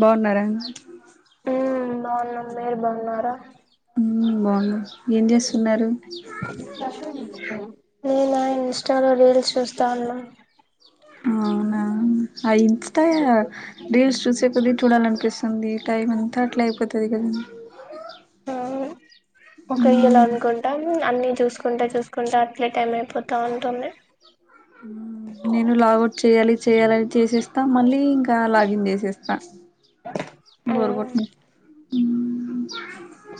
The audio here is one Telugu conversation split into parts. బాగున్నారా నా బాన్నాం మీరు బన్నారా మ్మ్ బాగున్నాం ఎంచెస్ న్నారు నే నా ఇన్స్టా లో రీల్స్ చూస్తా ఉన్నాం అవునా ఆ ఇన్స్ట్రా రీల్స్ చూసే కొద్దిగా చూడాలనిపిస్తుంది అంది టైం అంత అట్లాైపోతుంది కదంది ఆవు ఒక ఇలా అనుకుంటా అన్ని చూసుకుంటే చూసుకుంటే అట్లే టైం అయిపోతా వుంటుంది నేను లాగౌట్ చేయ్యాలి చేయాలని చేసేస్తా మళ్ళీ ఇంకా లాగ గిన్ చేసేస్తా బోర్ కొడతా ఆ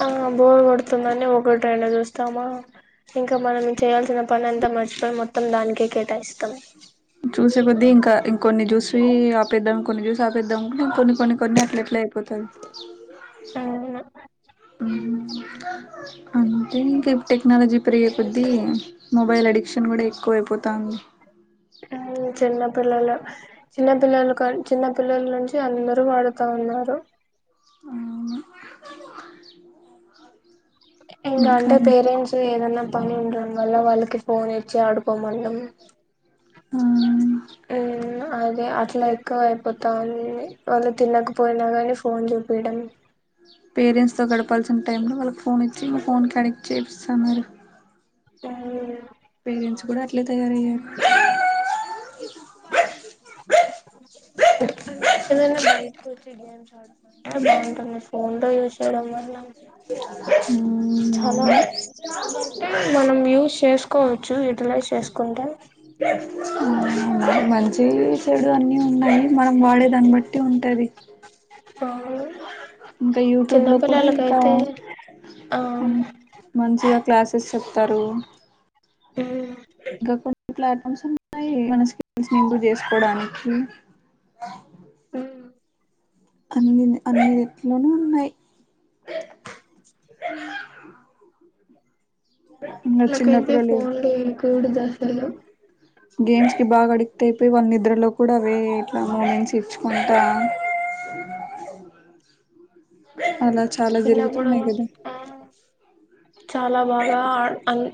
ఆ బోర్ కొడుతో వస్తుందని ఒకటిరెండు చూస్తామా ఇంకా మనం చేయాల్సిన పని అంతా మర్చిపోయి మొత్తం దానికే కేటాయిస్తాం చూసేకొద్ద్దీ ఇంకా ఇంక కొన్ని చూసి ఆపేద్దాం కొన్ని చూసి ఆపేద్దాం కొన్ని కొన్ని కొన్ని అట్ల అట్లే అయిపోతది అంటే ఇంకా టెక్నాలజీ పెరిగే కొద్దీ మొబైల్ అడిక్షన్ కూడా ఎక్కువ అయిపోతాంది పిల్లలు చిన్న పిల్లలుకాడినుంచీ చిన్న పిల్లల నుంచి అందరు వాడుతా ఉన్నారు అవును ఎంగ అంటే ఇంకా పేరెంట్స్ ఏదన్నా పని ఉండటం వాళ్ళ వాళ్ళకి పోన్ చాడు పో మన్నం ఆ అదే అట్లా ఎక్కువ అయిపోతాంది వాళ్ళు తినకపోయినా కాని ఫోన్ చూపియడం పేరెంట్స్ తో గడపాల్సిన టైంలో వాళ్ళకి ఫోన్ ఇచ్చి వాళ్ళ ను ఫోన్ కి అడ్డెక్ట్ చేపిస్తన్నారు [unintelligible] పేరెంట్స్ కూడా అట్లే తయారయ్యారు అంటే ఏదైనా బయటకు వచ్చి గేమ్స్ ఆడు అంటే బాగుంటుంది ఫోన్ లో యూజ్ చేయడం వల్ల చాలా అంటే మనం యూస్ చేసుకు కోవచ్చు యుటిలైజ్ చేసు మంచి చెడు అన్ని ఉన్నాయి మనం వాడే దాన్ని బట్టి ఉంటది [unintelligible] ఇంకా యూట్యూబ్ లో కూడా ఇంకా చిన్నపిల్లలకైతే ఆ ఉమ్ మంచిగా క్లాసెస్ చెప్తారు ఉమ్ ఇంకా కొన్ని ప్లాట్స ఫార్మ్స్ ఉన్నాయి మన స్కిల్స్ ని ఇంప్రూవ్ చేసుకోడానికి ఉమ్ అన్ని అన్ని రెట్లోనూ ఉన్నాయి ఇంకా వాళ్ళ చిన్న కయితే పిల్లలు ఫోన్లు ఇంక్లుడ్ చేస్తారు గేమ్స్ కి బాగా అడిక్ట్ అయిపోయి వాళ్ళ నిద్రలో కూడా అవే ఎట్లా మార్నింగ్ చెచ్చుకుంటా [unintelligible] అలా చాలా చిన్నప్పుడు జరుగుతున్నాయి కదా ఆ చాలా బాగా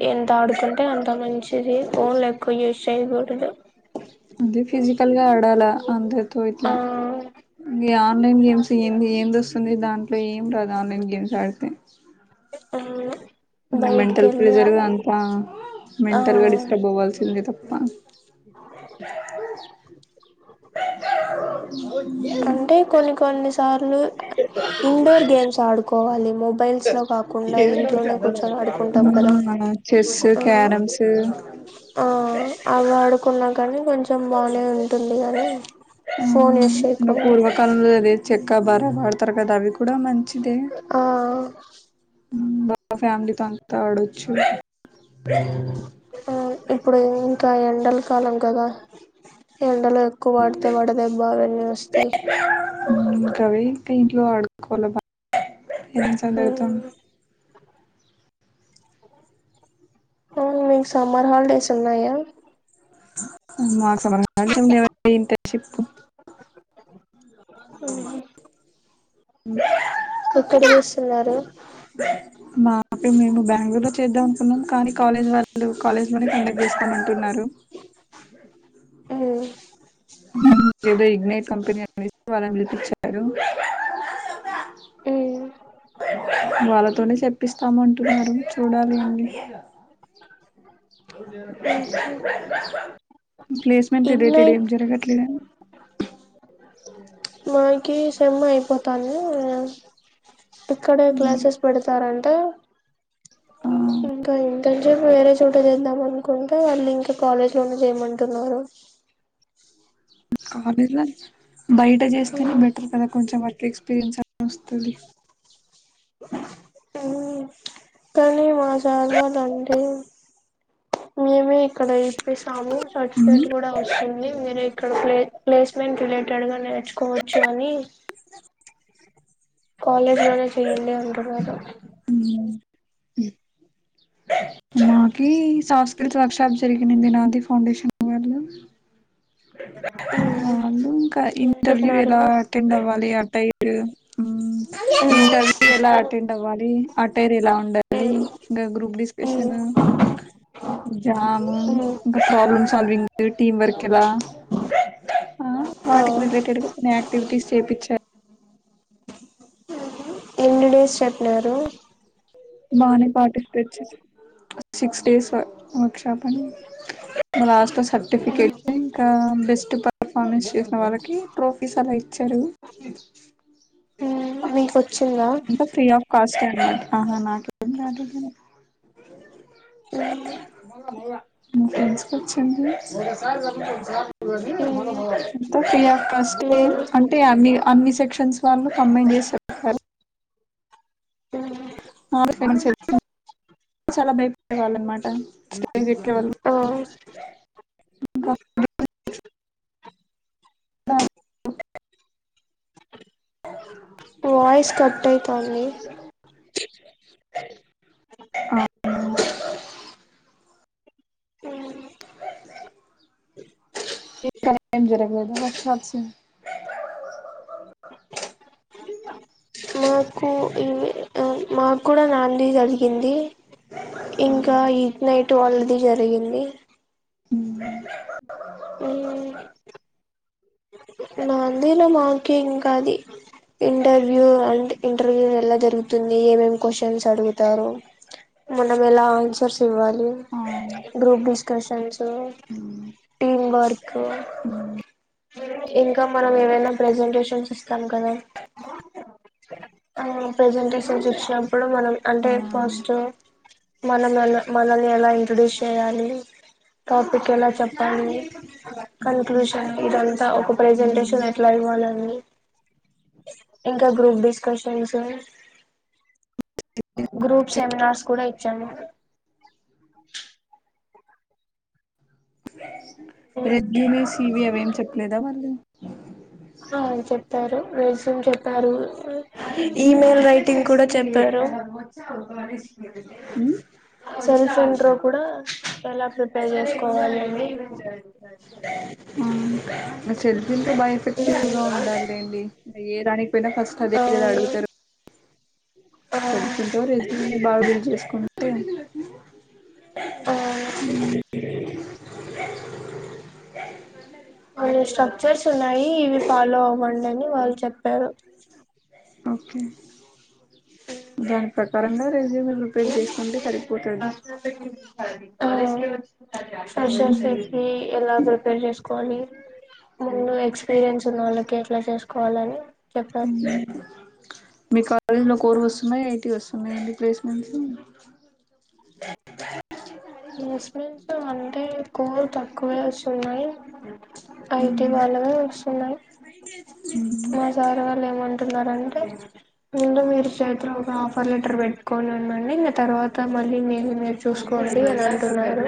ఎంత ఆడుకుంటే అంత మంచిది ఫోన్లు ఎక్కువ యూజ్ చేయకూడదు కదా అదే ఫిజికల్ గా ఆడాలా అంతే తో ఆ ఇట్లా ఇ ఆన్లైన్ గేమ్స్ ఏంది ఏంది దేస్తుంది, దాంట్లో ఏం రాదు, ఆన్లైన్ గేమ్స్ ఆడితే. ఆ మెంటల్, ప్రెజర్వ్అంతా. ఆ మెంటల్ గా, డిస్టప్ అవ్వాల్సిందే. తప్ప అంటే కొన్ని కొన్ని సార్లు, ఇండోర్ గేమ్స్ ఆడుకోవాలి, మొబైల్స్ లో కాకుండా, ఇంట్లో. హుమ్మ్ చెస్సు ఆ క్యారమ్స్. ఆ అవి ఆడుకున్నా కానీ కొంచం బానే ఉంటుంది, కానీ ఆ ఫోన్ యూస్ చేయకుండా. కబర భారతర్ కదా అవి క్. ఆ. మా ఫ్యామిలీతో, అంతా, ఆడొచ్చు. ఇప్పుడు, ఇప్పుడు, ఇంకా ఎండల్. కాలం కదా ఎ. ఎండలు ఎక్కువ వడితే వడ దెబ్బ లేస్తాయి. ఇంకా, వీక్ వీక్ లో ఆడుకోవాల బా. ఎగ్జామ్ పెడతా. అవును, మీకు సమ్మర్ హాలిడేస్, ఉన్నాయా. మాకు సమ్మర్ హాలీడేస్ లేవండి ఇంటర్షిప్. చేస్తున్నారు మా ప మే బ రంగూరులో చేద్దాం అనుకున్నాం కానీ, కాలేజ్ వాళ్ళు, కాలేజ్ లోనే కండక్ట్ చేస్త అంటున్నారు. ఎ. ఏదేయ్. [unintelligible] చెప్పారు. వాళ్ళతోనే చెప్పిస్తామంటున్నారు, చూడాలి అండి. [inaudible] ప్లేస్మెంట్ రిలేటెడ్ ఏం ఇగ్నైట్ జరగట్లేద. మాకిస్. సేమ్ అయిపోతంది, అనస్. ఇక్కడే క్లాసెస్ పెడతారని. తో ఇంకా ఇంటర్న్షిప్ వేరే చోట చేద్దాం అనుకుంటే వాళ్ళు ఇంక కాలేజ్ లోనే చేయమంటున్నారు కాలేజ్ ల బయట చేస్తేనే బెటర్ కదా కొంచెం అ ట్రిక్పీరియన్స్ అ వొస్తది ఊ కానీ మా సార్ వాళ్ళు అంటే మేమే ఇక్కడ ఇప్పిస్తాము సర్టిఫికేట్ కూడా అవుస్ టుంది మీరు ఇక్కడ ప్లే ప్లేస్మెంట్ రిలేటెడ్ గా నేర్చుకోవచ్చు అని కాలేజ్ లోనే చేయ్యన్ది తరువాత మకి సంస్కృతి వక్ష జరిగినంది నాధీ ఫౌండేషన్ ఎలో అ ఇంకా ఏం ఇంటర్వ్యూ చెప్పినారు ఎలా అటెండ్ అవ్వాలి పైరు మ్ ఇంటర్వ్యూ ఎలా అటెండ్ అవ్వాలి అటేర్ ఎలా ఉండా మలి ఇంకా గ్రూప్ డిస్కషన్ జామ్ ఇంకా ప్రాబ్లమ్ సాల్వింగ్, టీం వర్క్ ఇలా ఆ వాటికి రిలేటెడ్ కొన్ని యాక్టివిటీస్ చేపిించ త డేస్ చెప్పినారు బానే పాటిస్తే వచ్చేసి సిక్స్ డేస్ వర్ షాప్ అని మ ఆస్ట్లో సర్టిఫికెట్ ఇంకా బెస్ట్ పర్ఫార్మెన్స్ చేసిన వాళ్ళకి ట్రోఫీస్ అలా చెరువు మ్ మీకొచ్చిందా కస్ ఆహా నాక్ [unintelligible] మ్ ఫ్రెంస్కి వచ్చింది ఎంత ఫయా కస్ మీరు అంటే అన్ని అన్ని సెక్షన్స్ వాళ్ళు [unintelligible] స [unintelligible] చాలా భయపడేవాలన్నమాట ఆ [unintelligible] వాయిస్ కట్ అయితుంది [inaudible] ఆ హ్మ్ [unintelligible] మాకు ఈ మాకు కూడా నాంది జరిగింది ఇంకా ఈడ్ నైట్ వాళ్లది జరిగింది ది [inaudible] [inaudible] నా అందులో మాకే ఇంక అది ఇంటర్వ్యూ అంటే ఇంటర్వ్యూ ఎలా జరుగుతుంది ఏమేం క్వశ్చన్స్ అడుగుతారు మనం ఎలా ఆన్సర్స్ వాళ్లు గ్రూప్ డిస్కషన్స్ టీం వర్క్ [unintelligible] ఇంకా మనం ఏమైనా ప్రెజెంటేషన్ ఇస్తాను కదా ఆహ్ ప్రజంటేషన్స్ ఇచ్చాం ఇప్పుడు మనం అంటే ఫస్ట్ మనం మనల్ని ఎలా ఇంట్రొడ్యూస్ చేయాలి టాపిక్ ఎలా చెప్పాలి కన్క్లూషన్ ఇవ ఒక ప్రెజెంటేషన్ ఓకే ఎట్లా ఇవ్వాలి అని ఇంకా గ్రూప్ డిస్కషన్సు గ్రూప్ సెమినార్స్ కూడా ఇచ్చాను [inaudible] [inaudible] రెడ్నునే సీవి అవి ఏం చెప్పలేదా వాళ్ళు [inaudible] ఆ చెప్తారు రెజ్యూమ్ చెప్పారు ఈ మెయిల్ రైటింగ్ కూడా చెప్పారు [unintelligible] సెల్ ఫోన్ తో కూడా ఎలా ప్రిపేర్ చేసుకోవాలీ అండి చాయి కు [inaudible] సెల్ఫిన్ తో బాగా ఎఫెక్టివ్ గా ఉందాం డిండి ఏ రాని వెద ఫస్ట్ అదే గద అడుగుతరు ఆ ఆ సెల్ఫ్ ఇంకా రెస్యూమ్ ని బాగు చెం చేసుకు తే ఆ ఉ అవును ఇష్టం చర్స్ ఉన్నాయి. ఇవి ఫాలో అవ్వండి. అని వాళ్ళు చెప్పారు. ఓకే దాని ప్రకారంగా రెజ్యూమ్ ప్రిపేర్ చేసుకుంటే సరిపోతది ఫ్రెషర్స్ కి ఎలా ప్రిపేర్ చేసుకోవాలి. ముందు ఎక్స్పీరియన్స్ ఉన్న వాళ్ళకి ఎట్లా చేసు కావాలని మీ క కాలేజ్ లో కోరు వస్తున్నాయి. ఎయిటీ వస్తున్నాయి అండి ప్లేస్మెంట్స్ ప్లేస్మెంట్ అంటే [unintelligible] తక్కువే వస్తున్నాయి. ఐటీ వాళ్ళవే వస్తున్నాయి. మా సార్ వాళ్ళు ఏమంటున్నారంటే ముందు మీరు చేతిలో ఒక ఆఫర్ లెటర్ పెట్టుకొని ఉండండి ఇంగ తర్వాత మళ్ళీ మీది మీరు చూసుకోండి అని అంటున్నారు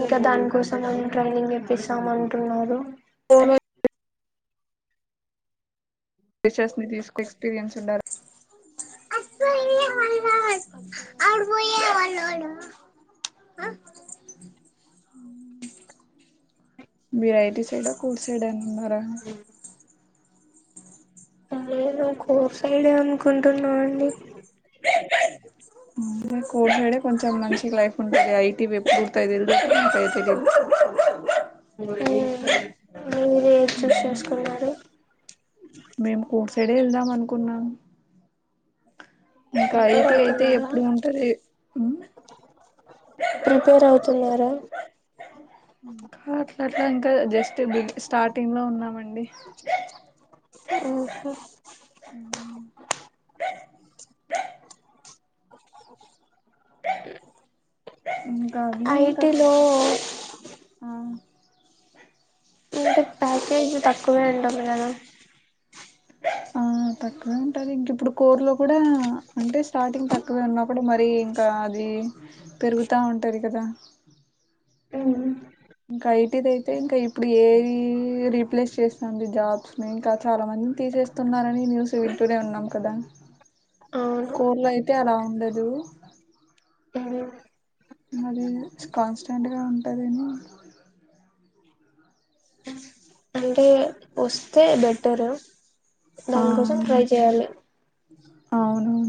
ఇంకా దాని కోసం మేం ట్రైనింగ్ ఇప్పిస్తాం అంటున్నారు. ఓమే టీచర్స్ ని తీసుకు ఎక్స్పీరియన్స్ ఉండాలి. ఆ అపుడు పోయ వన్నోలు మీరు ఐటీ సైడ కోడ్ సైడ అండి ఉన్నారా నేను కోడ్ సైడే అనుకుంటున్నా అండి కోడ్ సైడే కొంచెం మంచిగ లైఫ్ ఉంటది. ఐటీ పూర్తయింది [unintelligible] ఉమ్ మీరు ఏది చూస్ చేసుకున్నారు. క్కడే వెళ్దాం అనుకున్నాను. ప్రిపేర్ అయితే అవుతున్నారా ఎప్పుడు ఉంటది ప్రిపేర్ అవుతున్నారా ఆ అట్లా అట్లా అంటే జస్ట్ బి స్టార్టింగ్ లో ఉన్నామండి బే ఇంకా అవి ఇంకా ఐటీలో ఆ ఇంకా ప్యాకేజీ తక్కువే ఉంటంది గద ఆ తక్కువే ఉంటది ఇంకా ఇప్పుడు కోడ్ లో కూడా అంటే స్టార్టింగ్ తక్కువే ఉన్నా కూడా మరి ఇంకా అది పెరుగుతా ఉంటది కదా అవున ఇంకా ఐటీది అయితే ఇంకా ఇప్పుడు ఎది రీప్లేస్ చెస్తాంది జాబ్స్ ని ఇంకా చాలా మంది తీసేస్తున్నారని న్యూస్ వింటునే ఉన్నాం కదా ఉను ఎలా ఉండేది మరి కాన్స్టెంట్గా ఉంటాది ఏమో అంటే వస్తే బెటరు ఆ దానికోసం ట్రై చేయాలి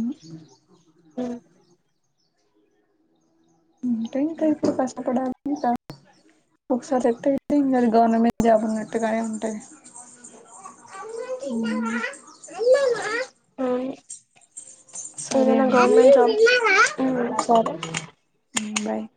ము ము అంటే ఇప్పుడు కష్టపడాల ఇంకా ఒకసారి సెలెక్ట్ అయితే ఇంకా గవర్నమెంట్ జాబ్ ఉన్నట్టుగానే ఉంటాది అవును సరే ఏదన్నా అండి గవర్నమెంట్ జాబ్స్ ఉ సరే ఉమ్, బాయ్